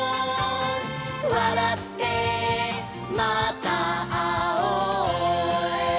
「わらってまたあおう」